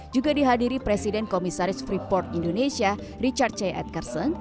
juga dihadiri presiden komisaris freeport indonesia richard ceylan